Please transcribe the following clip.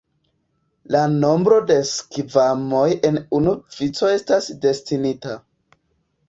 La nombro de skvamoj en unu vico estas destinita.